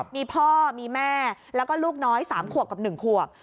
มีพ่อมีแม่แล้วก็ลูกน้อย๓ขวบกับ๑ขวบ